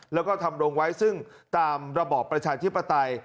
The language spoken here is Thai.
แล้วก็ทำรงไว้ซึ่งตามระบอบประชาธิปไตย